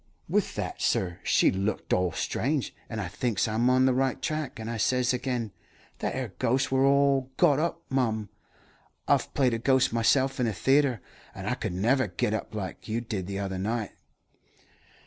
"With that, sur, she looked oal strange, and I thinks I'm on the right track, and I says again, 'That 'ere ghost wur well got up, mum. I've played a ghost myself in a theatre, and I could never git up like you did the other night.'